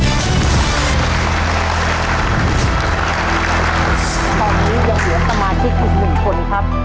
ตอนนี้ยังเหลือสมาชิกอีก๑คนครับ